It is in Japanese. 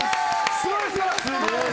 素晴らしい。